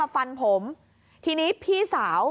ฟันผมทีนี้พี่สาว